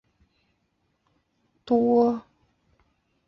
皮林国家公园面积广大使得它成为保加利亚植物种类最多的地方。